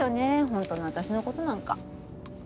本当の私のことなんか。